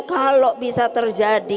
kalau bisa terjadi